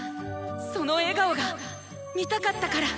その笑顔が見たかったから！